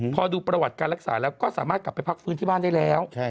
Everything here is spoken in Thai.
พอดูประวัติการรักษาแล้วก็สามารถกลับไปพักฟื้นที่บ้านได้แล้ว